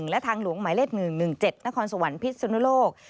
และทางหลวงหมายเลข๑๑๗นครสวรรค์พิษสุนุโลก